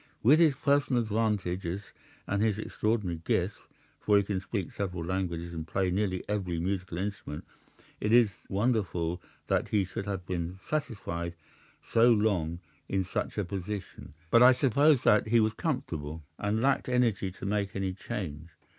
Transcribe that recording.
With his personal advantages and his extraordinary gifts—for he can speak several languages and play nearly every musical instrument—it is wonderful that he should have been satisfied so long in such a position, but I suppose that he was comfortable, and lacked energy to make any change.